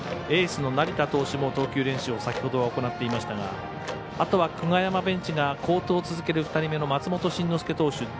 エースの成田投手も投球練習を先ほど行っていましたが、あとは久我山ベンチが好投を続ける２人目の松本慎之介投手